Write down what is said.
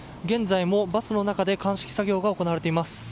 現在もバスの中で鑑識作業が行われています。